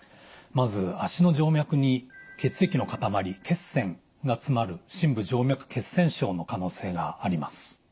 まず脚の静脈に血液の塊血栓が詰まる深部静脈血栓症の可能性があります。